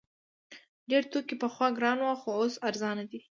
ډیر توکي پخوا ګران وو خو اوس ارزانه دي.